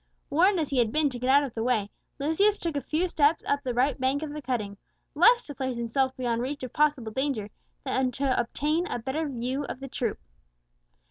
Warned as he had been to get out of the way, Lucius took a few steps up the right bank of the cutting, less to place himself beyond reach of possible danger, than to obtain a better view of the troop.